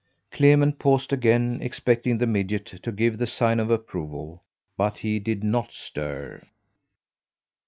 Clement paused again, expecting the midget to give the sign of approval, but he did not stir.